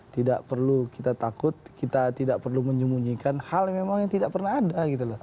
tidak perlu kita takut kita tidak perlu menyembunyikan hal yang memang tidak pernah ada gitu loh